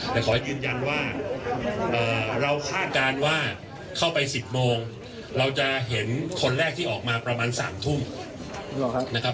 แต่ขอยืนยันว่าเราคาดการณ์ว่าเข้าไป๑๐โมงเราจะเห็นคนแรกที่ออกมาประมาณ๓ทุ่มนะครับ